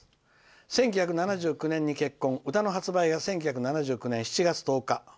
１９７９年に結婚歌の発売が１９７９年７月１０日」。